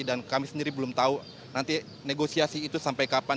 dan kami sendiri belum tahu nanti negosiasi itu sampai kapan